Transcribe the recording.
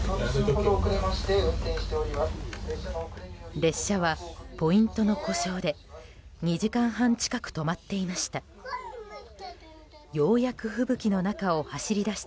列車はポイントの故障で２時間半近く止まっていました。